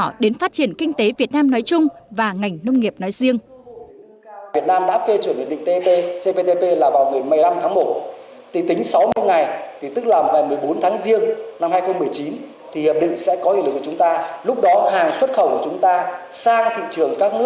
nói nhỏ đến phát triển kinh tế việt nam nói chung và ngành nông nghiệp nói riêng